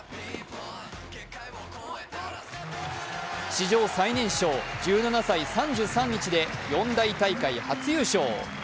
史上最年少１７歳３３日で四大大会初優勝。